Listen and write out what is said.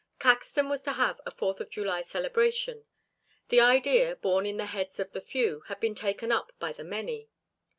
Caxton was to have a Fourth of July celebration. The idea, born in the heads of the few, had been taken up by the many.